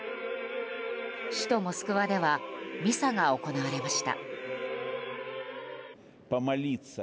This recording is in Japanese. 首都モスクワではミサが行われました。